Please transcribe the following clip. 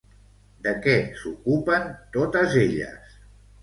De què s'ocupen totes elles?